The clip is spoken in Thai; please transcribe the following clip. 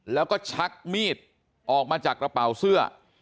แล้วก็ชักมีดออกมาจากกระเป๋าเสื้อ